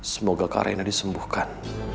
semoga ke reina disembuhkan